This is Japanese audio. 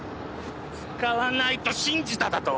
使わないと信じただと？